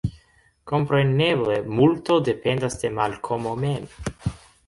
Kompreneble multo dependas de Malkomo mem.